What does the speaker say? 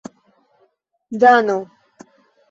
dano